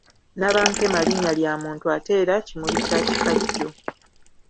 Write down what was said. Nabankema Linnya lya muntu ate era kimuli kya kikajjo.